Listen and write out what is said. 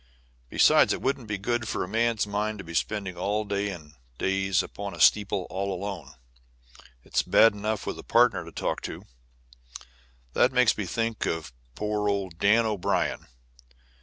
Besides, it wouldn't be good for a man's mind to be spending days and days upon steeples all alone. It's bad enough with a partner to talk to. That makes me think of poor old Dan O'Brien.